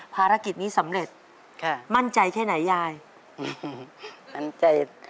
ภารกิจนี้สำเร็จค่ะมั่นใจแค่ไหนยายอืมมั่นใจ